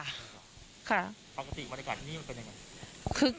ปกติบรรยากาศที่นี่มันเป็นยังไง